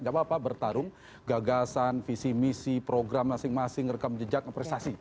gak apa apa bertarung gagasan visi misi program masing masing rekam jejak prestasi